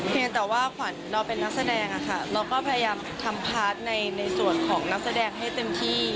แต่ว่าขวัญเราเป็นนักแสดงอะค่ะเราก็พยายามทำพาร์ทในส่วนของนักแสดงให้เต็มที่